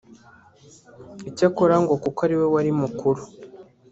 Icyakora ngo kuko ari we wari mukuru